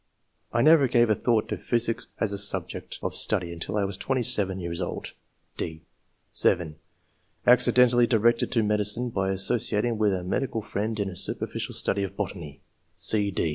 I never gave a thought to physic as a subject of study until I was 27 years old." (d) (7) "Accidentally [directed] to medicine by associating with a medical friend in a superficial study of botany."